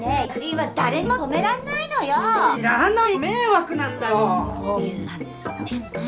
はい。